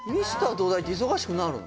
東大って忙しくなるの？